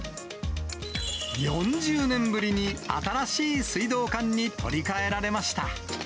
４０年ぶりに新しい水道管に取り替えられました。